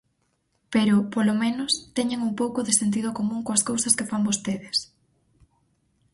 Pero, polo menos, teñan un pouco se sentido común coas cousas que fan vostedes.